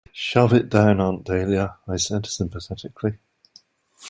"Shove it down, Aunt Dahlia," I said sympathetically.